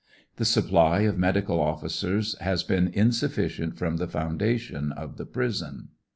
The supply of medical officers has been insufficient from the foun 'dation of the prison.